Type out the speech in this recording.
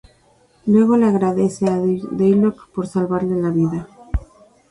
Luego le agradece a Deathlok por salvarle la vida.